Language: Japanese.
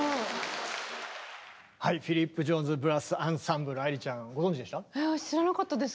はいフィリップ・ジョーンズ・ブラス・アンサンブル愛理ちゃんご存じでした？